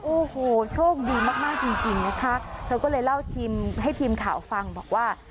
โอ้โหโชคดีมากจริงนะคะเธอก็เลยเล่าทีมให้ทีมข่าวฟังบอกว่า